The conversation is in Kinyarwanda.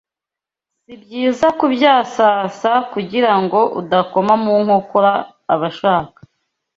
si byiza kubyasasa kugira ngo udakoma mu nkokora abashaka